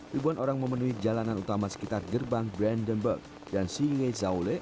ribuan orang memenuhi jalanan utama sekitar gerbang brandomberg dan singa zaule